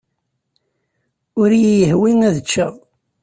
Ur iyi-yehwi ad ččeɣ.